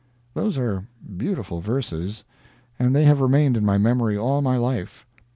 Those are beautiful verses, and they have remained in my memory all my life.